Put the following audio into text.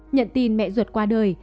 nhận tin mẹ ruột qua đời